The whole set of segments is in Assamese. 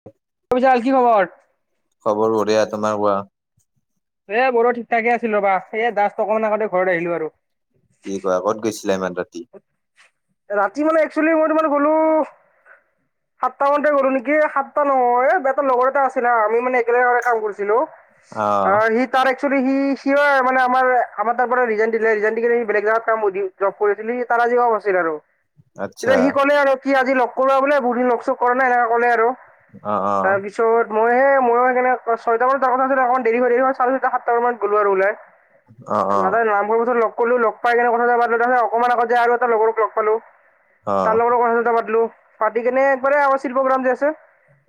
[inaudible] কি খবৰ? খবৰ বঢ়িয়া। তোমাৰ কোৱা? এ মোৰো ঠিক ঠাকে আছিল ৰবা। এ জাষ্ট অলপমান আগতে ঘৰত আহিলো আৰু। কি কোৱা কত গৈছিলা ইমান ৰাতি? [inaudible] ৰাতি মানে একচুৱেলি মই তোমাৰ গ'লো [inaudible] সাতটা মানতে গ'লো নেকি। সাতটা নহয় বেটাৰ লগৰ এটা আছিলে আমি মানে একেলগে কাম কৰিছিলো। অ', সি তাৰ এক্সচুৱেলী সি সিও মানে আমাৰ আমাৰ তাৰ পৰা ৰিজাইন দিলে ৰিজাইন দি কিনে সি বেলেগ জাগাত কাম কৰি জব আছিল সি তাৰ আজি অফ আছিল আৰু, আচ্ছা এতিয়া সি ক'লে আৰু কি আজি লগ কৰ বোলে বহু দিন লগ চগ কৰা নাই সেনেকে কলে আৰু। অঁ অঁহ। চ' মই এই মই সেইকাৰণে ছয়টা বজাত যোৱা কথা আছিলে অকমান দেৰি হল চাৰে ছয়টা সাতটা মানত গলো আৰু ওলাই। অ', অ', তাতে লাম্বো লগ কৰিলো লগ পাই কিনে কথা চথা পাতিলো তাৰপিছত অকমান আগত যে আৰু এটা লগৰ লগ পালো তাৰ অ', লগতে কথা চথা পাতিলো, পাতি কেনে একবাৰে আমাৰ শিল্পগ্ৰাম যে আছে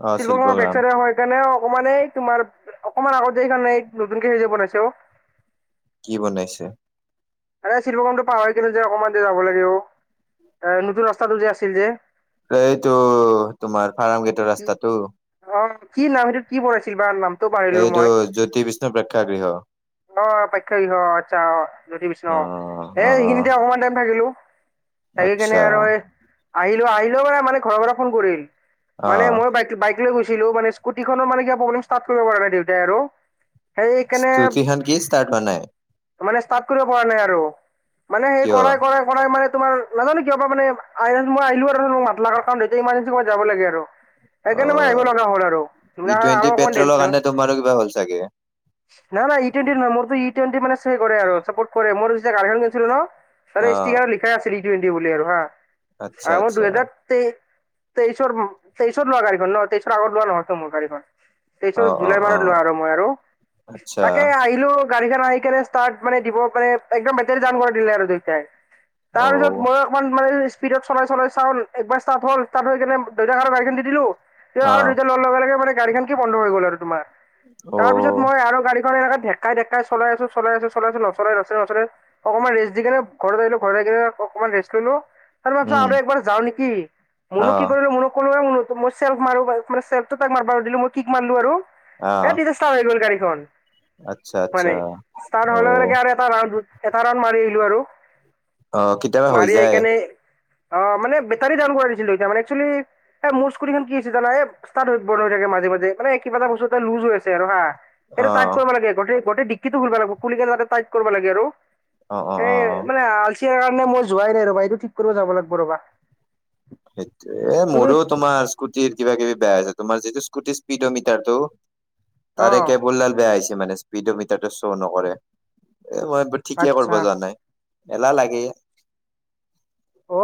অ', শিল্পগ্ৰামৰ শিল্পগ্ৰাম বেকচাইডে তেনে অকমান এই তোমাৰ অকমান আগত যে এইখন এই নতুনকে বনাইছে ঔ কি বনাইছে? আৰে শিল্পগ্ৰামটো পাৰ হৈ যে অকমান যে যাব লাগে অ। এ নতুন ৰাস্তাটো যে আছিল যে এইটো তোমাৰ ফাৰ্ম গেটৰ ৰাস্তাটো? অ', কি নাম সেইটো কি বনাইছিল বা নাম? এইটো জ্যোতি বিষ্ণু প্ৰেক্ষাগৃহ। অ' পেক্ষাগৃহ অঁ আচ্ছা অ জ্যোতি বিষ্ণু অ' এই অ', অ', সেইখিনিতে অকমান টাইম থাকিলো। থাকি আচ্ছা কেনে আৰু আহিলো আহিলে মানে ঘৰৰ পৰা ফোন কৰিল। মানে অ', মই বাই বাইক লৈ গৈছিলো মানে স্কুটিনৰ মানে কিবা প্ৰব্লেম ষ্টাৰ্ট কৰিব পৰা নাই দেউতাই আৰু। সেইকাৰণে স্কুতিখন কি ষ্টাৰ্ট হোৱা নাই মানে ষ্টাৰ্ট কৰিব পৰা নাই। আৰু মানে সেই কিয়? কৰাই কৰাই কৰাই মানে তোমাৰ নাজানো কিয় বা মানে মই আহিলো আৰু মাতৰ কাৰণ এতিয়া ইমাৰজেঞ্চি মই যাব লাগে আৰু সেইকাৰনে মই আহিব অ', লগা হ'ল আৰু ই নহলে টুৱেণ্টি আৰু অকমান পেট্ৰলৰ দেৰি কাৰণে তোমাৰো কিবা হ'ল চাগে নাই নাই ই টুৱেন্টি নলওঁ মোৰ তো ই টুৱেন্টি মানে হেৰি কৰে আৰু চাপৰ্ট কৰে মোৰ গাড়ীখন কিনিছিলোঁ ন। আৰে অ', স্তিকাৰত লিখাই আছিল ই টুৱেন্টি বুলি আৰু হা আচ্ছা মই আচ্ছা দুহেজাৰ তেই তেইছৰ তেইছৰ লোৱা গাডীখন ন' তেইছৰ আগত লোৱা নহয় তো মোৰ গাড়ীখন। তেইশৰ অ', অ', জুলাই মানত অ', লোৱা আৰু মই আৰু। আচ্ছা তাকে আহিলো গাড়ীখন আহি কেনে ষ্টাৰ্ট মানে দিব পানে একদম বেতাৰী ডাউন কৰা দিলে আৰু দেউতাই। তাৰপিছত অ', অকমান মানে স্পীডত চলাই চলাই চাও একবাৰ ষ্টাৰ্ট হ'ল, ষ্টাৰ্ট হৈ কিনে দেউতাক আৰু গড়ীখন দি দিলো তেওঁ আৰু অ', দেউতা লোৱাৰ লগে লগে মানে গাড়ী খন কি বন্ধ হৈ গ'ল আৰু তোমাৰ। তাৰ পিছত অ', মই আৰু গাড়ীখন এনেকে ঢেকাই ঢেকাই চলাই আছো, চলাই আছো, চলাই আছো নচলে-নচলে-নচলে অকমান ৰেষ্ট দি কেনে ঘৰত আহিলো ঘৰত আহ কিনে অকমান ৰেষ্ট লৈলো। তাৰপিছত উম, আৰু এবাৰ যাওঁ নেকি, মুনুক অ', কি কৰিলো মুনুক কলো এ মুনু মই চেল মাৰো চেল্টো তাইক মাৰ দিলো মই কি মাৰিলো আৰু আহ এ তি হৈ গ'ল গড়ীখন আচ্ছা আচ্ছা মানে, ষ্টাৰ্ট অ হোৱা লগে লগে এটা ৰাউন এটা ৰাউন মাৰি আহিলো আৰু। অ কি মাৰি আহি কেনে, অ মানে বেটাৰী ডাউন কৰা দিছিলো দেউতা। মানে একচেলি এ মোৰ স্কুটীখন কি হৈছে জানা, এ ষ্টাৰ্ট বন হৈ থাকে মাজে মাজে মানে কিবা এটা বস্তু এটা লুজ হৈ আছে আৰু হা। অ এইটো টাইক কৰিব লাগে, গোটেই গোটেই দিক্কি খুলবা লাগিব খুলি কেনে তাতে টাইত কৰিব লাগে আৰু অ অ অ এ মানে আলচিয়া কাৰণে মই যোৱাই নাই ৰ'বা এইটো ঠিক কৰিব যাব লাগিব ৰ'বা। সেইটোৱে তুমি এ'মোৰেও তোমাৰ স্কুটিৰ কিবা কিবি বেয়া আছে, তোমাৰ যিটো স্কটিৰ স্পড মিটাৰটো অ তাৰে কেবুলডাল বেয়া হৈছে মানে স্পীড মিটাৰ শ্ব' নকৰে। এ মই ঠিকে আচ্ছা কৰিব যোৱা নাই, এলাহ লাগে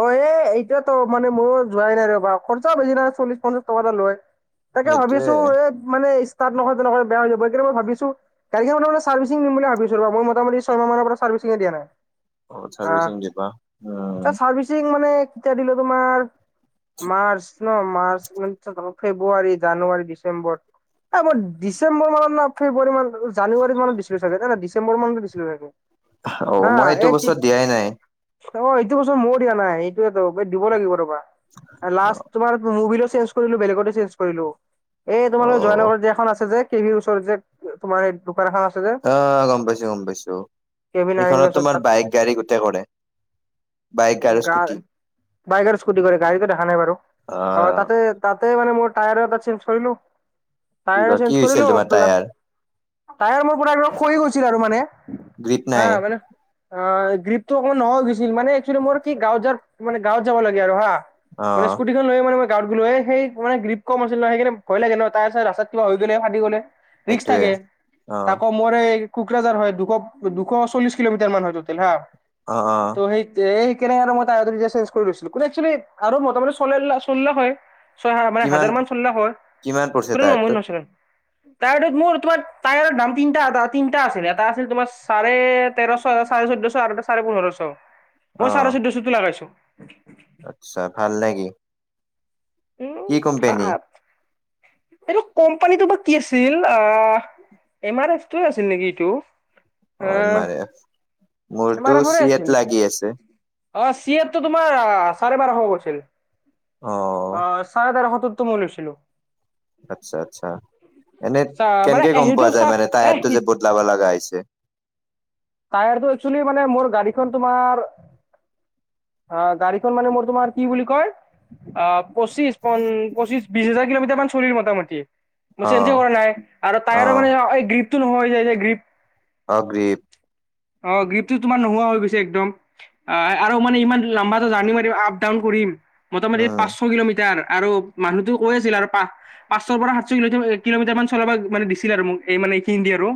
অ এ এতিয়াতো মানে মই যোৱাই নাই ৰ'বা। খৰচা বেছি নহয় চল্লিশ-পঞ্চাশ টকা এটা লয়। তাকে সেইটোয়ে ভাবিছো এ মানে ষ্টাৰ্ট নকৰাতে নকৰাতে বেয়া হৈ যাব। এইকাৰণে মই ভাবিছো গাড়ীখনৰ মানে চাৰভিছিং দিম বুলি ভাবছো ৰ' মই মোটা-মুটি ছয়মাহ মানৰ পৰা চাৰভিচিং দিয়া নাই। অ আহ চাৰভিছিং দিবা উম এ চাৰ্ভিচিং মানে কেতিয়া দিলো তোমাৰ মাৰ্চ ন' মাৰ্চ, ফেব্ৰুৱাৰী, জানুৱাৰী, ডিচেম্বৰ এই মই ডিচেম্বৰ মানত না ফেব্ৰুৱাৰী মানত, জানুৱাৰী মানত দিছিলো চাগে, নাই নাই ডিচেম্বৰ মানতো দিছিলো চাগে। অ আ মই এইটো এ বস্তুত দিয়াই নাই তিত এইটো বছৰ মই দিয়া নাই। এইটোৱেটো দিব লাগিব ৰবা। অ লাষ্ট তোমাৰ মুবিলো কৰিলো বেলেগত চেঞ্জ কৰিলো। এই তোমালোকৰ জয়ানগৰ যে এখন আছে যে কে-ভিৰ ওচৰত যে তোমাৰ সেই দোকান এখন আছে যে আহ গম পাইছো, গম পাইছো। কেভি নাৰেংগৰ এইখনত ওচৰত তোমাৰ তাত বাইক, গাড়ী গোটেই কৰে। বাইক আৰু গা স্কুটি বাইক আৰু স্কুটি কৰে গাড়ীতো দেখা নাই বাৰু, অ তাতে তাতে মানে মোৰ টায়াৰ এটা চেঞ্জ কৰিলো, কি টায়াৰ কয় কি চেঞ্জ হৈছিল কৰিলো তোমাৰ টায়াৰ তাইৰ মোৰ পৰা খৈয়ে গৈছিল আৰু মানে গ্ৰীপ হা নাই মানে অ গ্ৰীপটো অকমান নহয় গৈছিল, মানে একচেলি মোৰ কি গাঁৱ য মানে গাঁৱত যাব লাগে আৰু হা অ মানে স্কুটি লৈ মানে গাঁওত গলোঁ। সেই মানে গ্ৰীপ কম আছিল ন সেইকাৰনে ভয় লাগে ন টায়াৰ-চায়াৰ ৰাস্তাত কিবা হৈ গ'লে ফাটি গ'লে। ৰিস্ক সেইটোৱে থাকে অ তাকো মোৰ এই কোকৰাজাৰ হয়, দু-দুশ চল্লিশ কিলোমিটাৰ মান হয় হা অ অ সেই যে সেই কেনে আৰু মই তৰতাৰি চেঞ্জ কৰি লৈছিলো কি একচুৱেলি আৰু মোটামুতি চল চলা হয়। ছয় হ মানে কিমান হাজাৰ মান চলিলা হয় কিমান পৰিছে কোনে টায়াৰটোত [unintelligible] টাৰটোত মোৰ তোমাৰ টায়াৰৰ দাম তিনি তিনিটা আছিল এটা আছিল তোমাৰ চাৰে তেৰশ চাৰে, চৈধ্যশ আৰু এটা চাৰে পোন্ধৰশ, মই অ চাৰে চৈধ্যশটো লগাইছোঁ। আচ্ছা ভাল নেকি? উম কি কোম্পেনী ভাল এইটো কোম্পানীটো বা কি আছিল আ এম আৰ এফটো আছিল নেকি এইটো? অ' এম আহ আৰ এফ। এম মোৰতো আৰ এফৰে চি এত আছিল। লাগি আছে অ' চিয়েটো তোমাৰ অ' চাৰে বাৰশ পৰছিল অ অ'চ চাৰে তেৰশটোত ত মই লৈছিলোঁ। আচ্ছা আচ্ছা, এনে চা মানে কেনেকে গ'ম সেইটো পোৱা চা যায় মানে এ টায়াৰটো যে বদলাব লাগা হৈছে? টায়াৰটো একচেলি মানে মোৰ গাড়ীখন তোমাৰ আ গাড়ীখন মানে মোৰ তোমাৰ কি বুলি কয়? আ পঁচিশ পন পঁচিশ বিছ হাজাৰ কিলোমিটাৰমান চলিল মোটামুটি। মই অ চেঞ্জে কৰা নাই আৰু টায়াৰৰ মানে অ এই গ্ৰীপটো নহয় যায় যে গ্ৰীপ অ' গ্ৰীপ। অ' গ্ৰীপটো তোমাৰ নোহোৱা হৈ গৈছে একদম। আ আৰু মানে ইমান লাম্বা এটা জাৰ্ণি মাৰিম আপ ডাউন কৰিম, মোটামুটি উম পাঁচ শ কিলোমিটাৰ আৰু মানুহতো কয় আছিল আৰু পা পাঁচশৰ পৰা সাতশ কিলোমিটাৰ এককিলো মিটাৰমান চলাবা মানে দিছিল আৰু মোক এই মানে এইখিনি দিয়ে আৰু।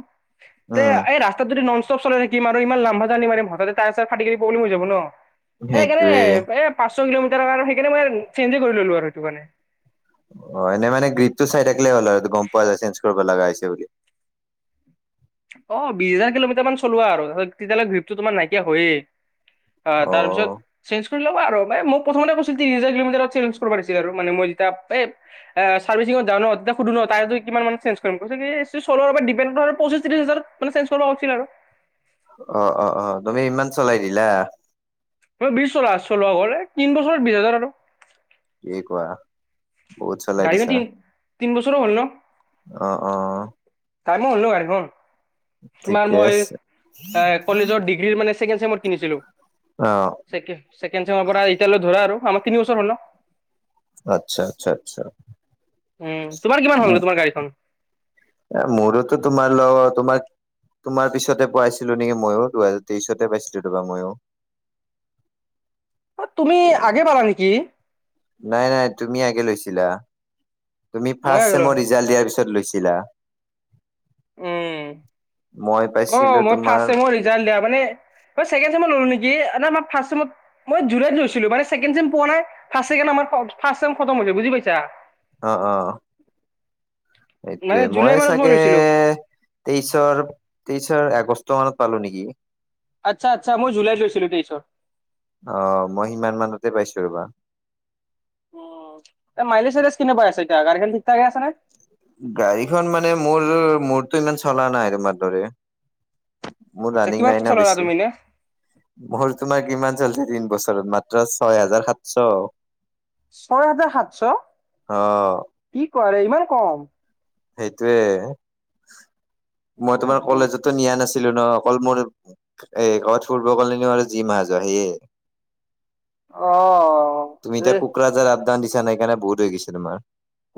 তে উম এই ৰাস্তাত যদি নংচ চব চলাই থাকিম আৰু ইমান লাম্বা জাৰ্ণী মাৰিম হঠাতে টায়াৰ - চায়াৰ ফাটি কৰি প্ৰব্লেম হৈ যাব ন', এইকাৰণে সেইটোয়ে এ পাঁচশ কিলোমিটাৰ কাৰণে সেইকাৰণে মই ছেঞ্জে কৰি ল'লো আৰু সেইটো কাৰণে। অ' এনে মানে গ্ৰীপটো চাই থাকিলে হ'ল আৰু গ'ম পোৱা যায় চেঞ্জ কৰিব লগা হৈছে বুলি? অ' বিশ হাজাৰ কিলোমিটাৰ মান চলোৱা আৰু হ তেতিয়ালে গ্ৰীপটো তোমাৰ নাইকিয়া হয়েই। অ' তাৰপিছত চেঞ্জ কৰি ল'ব আৰু মই মই প্ৰথমতে কৈছিল তিনি হাজাৰ কিলোমিটাৰত চেঞ্জ কৰিব পাৰিছিল আৰু মানে মই যেতিয়া এ এ চাৰ্ভিচিঙত যাওঁ ন' তাতে সুধো ন' টায়াৰটো কিমান মানে চেঞ্জ কৰিম? কৈছে কি চলোৱাৰ ওপৰত ডিপেন কৰে পঁচি চিটো হিচাপত মানে চেঞ্জ কৰবা কৈছিল আৰু। অ', অ', অ', তুমি ইমান চলাই দিলা? এ বিশ চলা চলোৱা গ'লে তিন বছৰত বিশ হাজাৰ আৰু। কি কোৱা? বহুত চলাই গাড়ীও দিছা তি, তিন বছৰো হ'ল ন'? অ', অ'। টাইমো হ'ল ন গাড়ীখন। তোমাৰ ঠিকে মই আছে। এ কলেজৰ ডিগ্ৰীৰ মানে ছেকেণ্ড চেমত কিনিছিলোঁ। অ', ছেকে ছেকেণ্ড চেমৰ পৰা এতিয়ালৈ ধৰা আৰু আমাৰ তিনি বছৰ হ'ল ন'? আচ্ছা আচ্ছা আচ্ছা। উম তোমাৰ কিমান হ'ল উম। তোমাৰ গাড়ীখন? এ মোৰোতো তোমাল তোমাক তোমাৰ পিছতে পাইছিলোঁ নেকি ময়ো দুহেজাৰ তেইশতে পাইছিলোঁ তোমাৰ ময়ো। অ' তুমি আগে পালা নেকি? নাই নাই তুমি আগে লৈছিলা, তুমি মই ফাৰ্ষ্ট আগে ললো উম চেমৰ ৰিজাল্ট দিয়াৰ পিছত লৈছিলা। উম, মই পাইছিলো অ' মই তোমাৰ ফাষ্ট চেমৰ ৰিজাল্ট দিয়া মানে মই ছেকেণ্ড চেনত ল'লো নেকি? আ নাই মই ফাষ্ট চেমত মই জুলাইত লৈছিলো মানে ছেকেণ্ড চেম পোৱা নাই, ফাষ্ট ছেকেণ্ড আমাৰ ফ ফাষ্ট চেম খতম হৈছে বুজি পাইছা? অ', অ'। সেইটোয়ে মানে মই জুলাই মানত চাগে লৈছিলো তেইশৰ, তেইশৰ আগষ্টমানত পালো নেকি। আচ্ছা আচ্ছা মই জুলাইত লৈছিলোঁ তেইশত। অ, ' মই সিমান মানতে পাইছোঁ ৰ'বা। উম, এ মাইলেজ চাইলেজ কেনে পাই আছে এতিয়া গাড়ীখন ঠিক ঠাকে আছে নে? গাড়ীখন মানে মোৰলৈ মোৰতো ইমান চলা নাই তোমাৰ দৰে। মোৰ আচ্ছা ৰানিং কিমান নাই ন চলালা বেছি। তুমি এনে? মোৰ তোমাৰ কিমান জল্দি তিন বছৰত মাত্ৰ ছয় হাজাৰ সাতশ। ছয় হাজাৰ সাতশ, অ', কি কোৱা ৰে ইমান কম? সেইটয়ে, মই তোমাৰ কলেজত নিয়া নাছিলো ন, অকল মোৰ এ গাঁৱত ফুৰিব গ'লে ফুৰিব নিওঁ আৰু যি মাহ যায় সেয়ে। [inaudible] অ'। তুমি এতিয়া এ কোকৰাঝাৰ আপ ডাউন দিছা না সেইকাৰণে বহুত হৈ গৈছে তোমাৰ।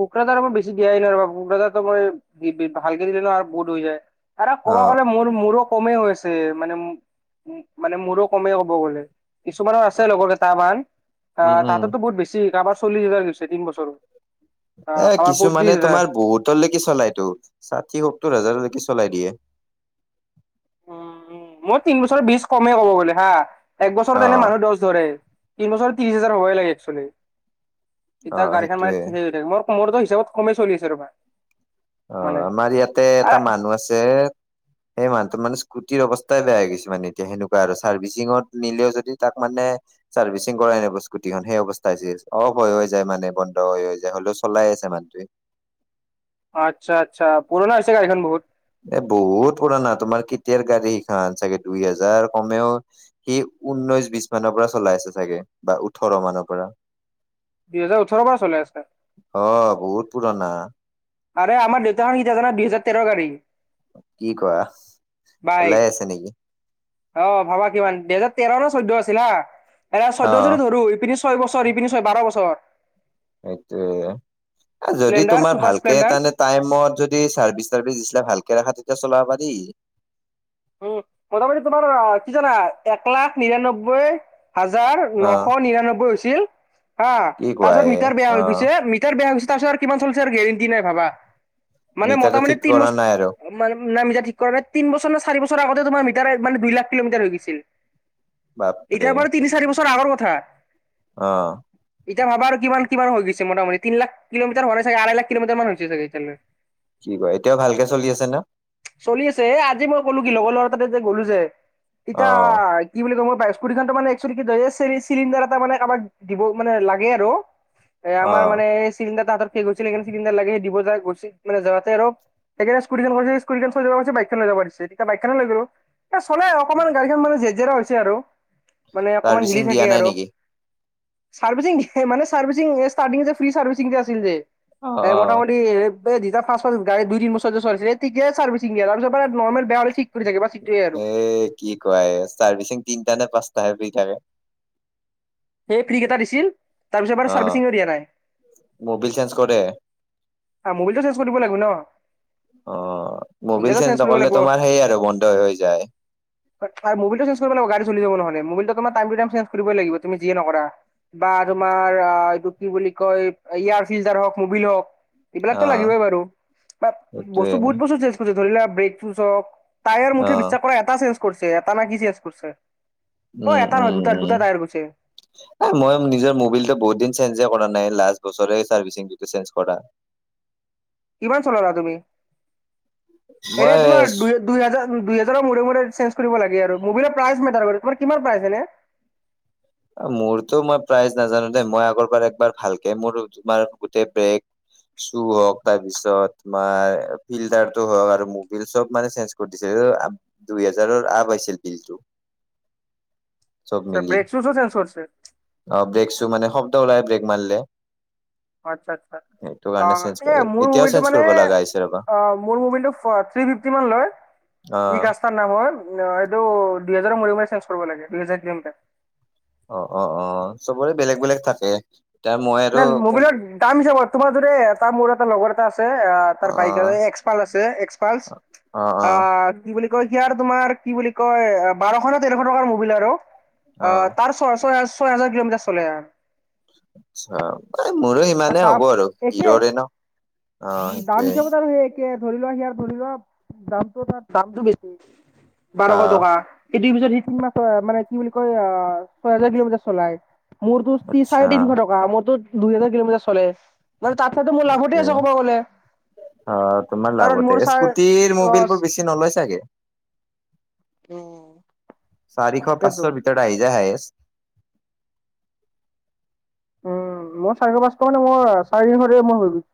কোকৰাঝাৰ আমাৰ বেছি দিয়াই নাই ৰবা, কোকৰাঝাৰতো মই [unintelligible] হাইৱে দি নিলে আৰু বহুত হৈ যায়। এতা ক'ব অ', গ'লে মোৰ মোৰো কমেই হৈছে মানে মানে মোৰো কমেই ক'ব গ'লে, কিছুমানৰ আছে লগৰ কেইটা বাইক উম, আহ, উম। তাহাতৰতো বহুত বেছি কাৰবাৰ চল্লিছ হাজাৰ গৈছে তিন বছৰত। আহ এ কাৰোবাৰ পঁয়ত্ৰিশ কিছুমানে হাজাৰ তোমাৰ বহুতলৈকে চলাইতো ষাঠি সত্তৰ হাজাৰলৈকে চলাই দিয়ে। উম, উম, মই তিন বছৰ বিজ কমেই ক'ব গ'লে হা এক বছৰ কাৰণে অ', মানুহ দছ ধৰে। তিন বছৰ ত্ৰিশ হাজাৰ হ'বাই লাগে একচোৱেলি, তেতিয়া অ', গাডীখন মানে সেইটোয়ে। থিকে হৈ থাকে, মোৰ মোৰতো হিচাপত কমেই চলি আছে ৰবা। মানে অ', আমাৰ ইয়াতে এটা মানুহ আছে সেই মানহতোৰ মানে স্কুটিৰ অৱস্থাই বেয়া হৈ গৈছে মানে এতিয়া সেনেকুৱা আৰু চাৰ্ভিচিঙত নিলেও যদি তাক মানে চাৰ্ভিচিং কৰাই নাই হ'ব স্কুটিখন সেই অৱস্থা হৈছে, অফ হৈ হৈ যায় মানে বন্ধ হৈ হৈ যায় হলেও চলাই আছে মানুহটোৱে। আচ্ছা, আচ্ছা, পুৰণা হৈছে গাড়ী খন বহুত। এ বহুত পুৰণা তোমাৰ কেতিয়াৰ গাড়ী সিখন চাগে দুই হাজাৰ কমেও সি ঊনৈশ বিশ মানৰ পৰা চলাই আছে চাগে বা ওঠৰ মানৰ পৰা। দুই হেজাৰ ওঠৰ পৰা চলাই আছে? অ', বহুত পুৰণা। আৰে আমাৰ দেউতাখন কেতিয়া জানা? দুইেজাৰ তেৰ গাড়ী। কি কোৱা? বাইক চলায়ে আছে নেকি? অ', ভাবা কিমান, দুহেজাৰ তেৰ নে চৈধ্য আছিল হা, এনে অ চৈধ্য যদি ধৰো ইপিনি ছয় বছৰ ইপিনি ছয়, বাৰ বছৰ। সেইটোয়ে, এ যদি স্প্লেণ্ডাৰ তোমাৰ চুপাৰ ভালকে স্প্লেণ্ডাৰ তানে টাইমত যদি চাৰ্ভিচ টাৰ্ভিছ দিছিলা ভালকে ৰাখা তেতিয়া চলাব পাৰি। উম, মোটামুটি তোমাৰ কি জানা? এক লাখ নিৰান্নব্বৈ হাজাৰ অ নশ নিৰান্নব্বৈ হৈছিল হা, কি কোৱা তাৰপিছত এ মিটাৰ বেয়া অ হৈ গৈছে মি টাৰ বেয়া হৈছে তাৰপিছত আৰু কিমান চলিছে আৰু গেৰেণ্টি নাই ভাবা, মানে মিটাৰটো মোটামুটি ঠিক তিন কৰা বছৰ নাই আৰু মানে নামিজা ঠিক কৰা তিন বছৰ নে চাৰি বছৰ আগতে তোমাৰ মিটাৰে মানে দুই লাখ কিলোমিটাৰ হৈ গৈছিল। বাপৰে এতিয়াৰ পৰা তিনি চাৰি বছৰ আগৰ কথা। অ'। এতিয়া ভাবা আৰু কিমান কিমান হৈ গৈছে মোটামটি তিন লাখ কিলোমিটাৰ হোৱা নাই চাগে, আঢ়ৈ লাখ কিলোমিটাৰ মান হৈছে চাগে এতিয়ালৈ। কি কয়? এতিয়াও ভালকে চলি আছে ন? চলি আছে এ আজি মই ক'লো কি লগৰ লৰা তাতে যে গ'লো যে, অ তেতিয়া কি বুলি ক'ম অ' পায়? স্কুটীখনটো মানে এক্সুৱেলি কি যে এ, চেৰি-চিলিণ্ডাৰ এটা মানে আমাক দিব মানে লাগে আৰু। [inaudible] এ আমাৰ মানে চিলিণ্ডাৰ তাহাঁতৰ শেখ গৈছিল সেই কাৰণে চিলিণ্ডাৰ লাগে দিব যায় গৈছিল মানেযাওঁতে আৰু [unintelligible] বাইকখন লৈ যাব দিছে। টা বাইকখনে লৈ গলো। এ চলে অকনমান গাড়ীখন মানে জে জীয়াৰ' হৈছে আৰু। মানে অকমান চাৰ্ভিচিং হিলি দিয়া থাকে নাই আৰু। নেকি চাৰ্ভিচিং [unintelligible] মানে চাৰ্ভিচিং ষ্টাৰ্টিং যে ফ্ৰি চাৰ্ভিচিং যে আছিল যে। অ এ অ মোটামুটি [unintelligible] এ কি কয়? চাৰ্ভিচিং তিনটা নে পাঁচটাহে ফ্ৰী থাকে। সেই ফ্ৰী কেইটা দিছিল। তাৰ পিছৰ পৰা অ চাৰ্ভিচিংও দিয়া নাই। মবিল চেঞ্জ কৰে মোবিলটো চেন্স কৰিব লাগিব ন? অ মবিল এইগিলাটো চেণ্ চেঞ্জ কৰিব নকলে লাগিব তোমাৰ সেই আৰু বন্ধ হৈ হৈ যায়। মবিলটো সেন্স কৰিব লাগিব। গাড়ী চলি যাব নহলে। মবিলটো তোমাৰ টাইম টো টাইম ছেন্স কৰিবই লাগিব। তুমি যিয়ে নকৰা। বা তোমাৰ আ এইটো কি বুলি কয়? এয়াৰ ফিল্টাৰ হওঁক মুবিল হওঁক। অ এইবিলাকতো লাগিবই বাৰু বা সেইটোৱে বস্তু বহুত বস্তু চেজ কৰি ধৰি লোৱা ব্ৰেক চুচ হওক, টায়াৰ অ মুঠে বিশ্বাস কৰা এটা চেঞ্জ কৰিছে। এটা নে কি চেঞ্জ কৰিছে। অ উম এটা উম নহয়, দুটা উম দুটা টায়াৰ গৈছে। মই নিজৰ মূ্বিলটো বহুত দিন চেঞ্জে কৰা নাই। লাষ্ট বছৰে চাৰ্ভিচিং চেঞজ কৰা। কিমান চলালা তুমি? এনে তোমাৰ মই দুই দুই হাজাৰ দুই হাজাৰ মূৰে মূৰে চেঞ্জ কৰিব লাগে আৰু। মুবিলৰ প্ৰাইচ মেটাৰ কৰে। তোমাৰ কিমান প্ৰাইচ এনে? মোৰতো মই প্ৰাইজ নাজানো দে। মই আগৰ পৰা একবাৰ ভালকে মোৰ তোমাৰ গোটেই ব্ৰেক ছোঁ হক তাৰপিছত তোমাৰ ফিল্টাৰটো হওক আৰু মূ্বিল চব মানে চেঞ্জ কৰি দিছে। অ [unintelligible] দুই হেজাৰৰ আপ আহিছিল বিলটো। চব চা মিলি ব্ৰেক চুসু চেঞ্চ কৰছে। অ ব্ৰেক চো মানে শব্দ ওলাই ব্ৰেক মাৰিলে। অ, আচ্চ্ছা আচ্ছা। সেইটো অ। কাৰণে চেঞ্জ এ কৰি মোৰ এতিয়াও মুবিলটো চেঞ্জ মানে কৰিব লগা হৈছে ৰবা অ মোৰ মুবিলটো থ্ৰি ফিফটি মান লয়। অ। টা নাম হয়। অ এইটো দুই হেজাৰ মূৰে মূৰে চেঞ্জ কৰিব লাগে। দুইহেজাৰ [unintelligible] অ, অ, অ। চবৰে বেলেগ বেলেগ থাকে। এতিয়া মই আৰু [unintelligible] কোন মুবিলৰ দাম হৈছে বৰ্তমান যদি টা মোৰ এটা লগৰ এটা আছে। আ অ তাৰ বাইকৰে এক্স পাল আছে এক্স পালছ। অ, অ। কি বুলি কয়? সিয়াৰ তোমাৰ কি বুলি কয় বাৰশ না তেৰশ টকাৰ মূ্বিল আৰু। অ তাৰ ছয় ছয় ছয় হাজাৰ কিলোমিটাৰ চলে। আশ্চা। এ মোৰো তাৰ ইমানেই দাম হ'ব আৰু একে হিৰৰে ন। অ দাম সেইটোৱে হিচাপত আৰু সেই একে ধৰি লোৱা হিয়াৰ ধৰি লোৱা দামটো [unintelligible] দামটো বেছি। বাৰশ অ টকা। সিটি পিছত সিতি [unintelligible] মানে কি বুলি কয়? আ ছয় হাজাৰ কিলোমিটাৰ চলাই। মোৰতো [unintelligible] চাৰে আচ্ছা তিনিশ টকা। মোৰতো দুই হাজাৰ কিলোমিটাৰ চলে। মানে তাতো হয়টো মোৰ লাভতে আছে ক'ব গ'লে অ। তোমাৰ কাৰণ লাভতে মোৰ ছাৰ স্কুটিৰ অ মবিলবো বে চি নলয় চাগে। চাৰিশ, তাকেতো পাঁচশ ভিত [unintelligible] উম। মোৰ চাৰিশ, পাঁচশ মানে মই চাৰি ঘৰে মই [unintelligible]